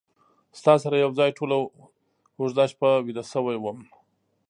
ستا سره یو ځای ټوله اوږده شپه ویده شوی وم